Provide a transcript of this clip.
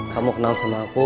kamu kenal sama aku